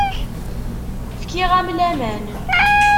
Fkiɣ-am laman.